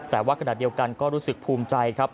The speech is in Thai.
แต่ว่าขณะเดียวกันก็รู้สึกภูมิใจครับ